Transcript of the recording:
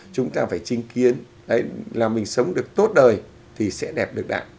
chúng ta phải chinh kiến đấy là mình sống được tốt đời thì sẽ đẹp được đạn